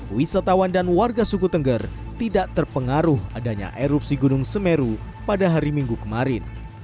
wisatawan dan warga suku tengger tidak terpengaruh adanya erupsi gunung semeru pada hari minggu kemarin